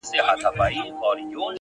پوه انسان د زده کړې پای نه ویني,